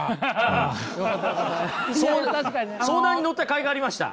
相談に乗ったかいがありました。